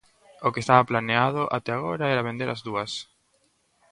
O que estaba planeado até agora era vender as dúas.